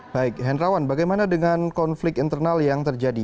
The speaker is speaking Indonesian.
baik henrawan bagaimana dengan konflik internal yang terjadi